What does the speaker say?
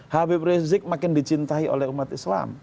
habib rizik makin dicintai oleh umat islam